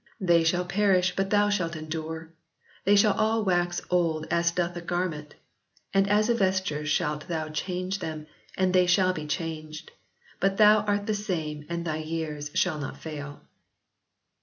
They shall perish but thou shalt endure : they shall all wax old as doth a garment ; and as a vesture shalt thou change them, and they shall be changed. But thou art the same and thy years shall not fail."